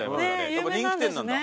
やっぱ人気店なんだ。